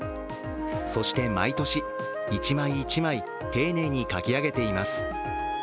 そして、毎年１枚１枚丁寧に書き上げています。